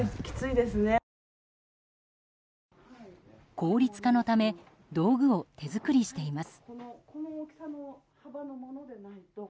効率化のため道具を手作りしています。